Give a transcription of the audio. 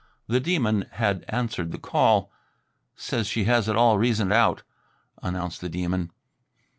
The Demon had answered the call. "Says she has it all reasoned out," announced the Demon.